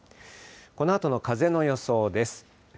このあとの風の予想です。